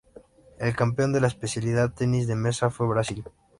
El campeón de la especialidad Tenis de mesa fue Brasil.